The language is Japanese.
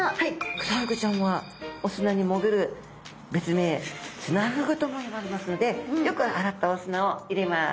クサフグちゃんはお砂に潜る別名すなふぐともいわれますのでよく洗ったお砂を入れます。